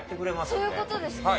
そういうことですか。